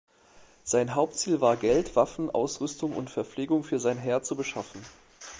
Sein Hauptziel war, Geld, Waffen, Ausrüstung und Verpflegung für sein Heer zu beschaffen.